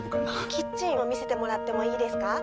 キッチンを見せてもらってもいいですか？